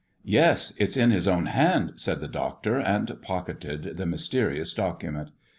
"Yes, it's in his own hand," said the Doctor, and pocketed the mysterious document.